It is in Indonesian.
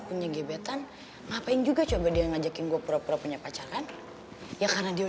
tunggu tunggu gue bingung kenapa haika gak cerita sama gue